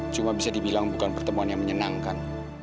cuma bisa dibilang bukan pertemuan yang menyenangkan